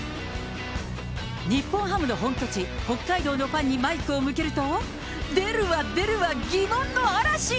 日本ハムの本拠地、北海道のファンにマイクを向けると、出るわ出るわ、疑問の嵐。